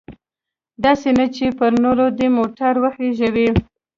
داسې نه چې پر نورو دې موټر وخیژوي.